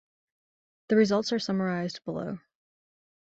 The results are summarised below.